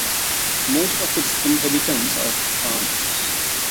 Most of its inhabitants are farmers.